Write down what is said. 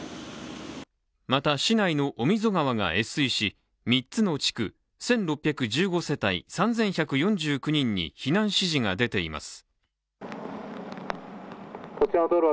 また、市内の御溝川が越水し、３つの地区、１６１５世帯、３１４９人に避難指示が出されています。